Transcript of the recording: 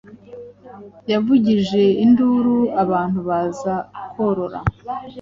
Yavugije induru abantu baza kurora